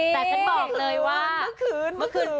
แต่ฉันบอกเลยว่าเมื่อคืน